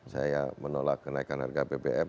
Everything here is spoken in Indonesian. saya menolak kenaikan harga bbm